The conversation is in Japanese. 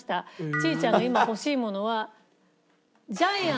「ちいちゃんがいまほしいものは」。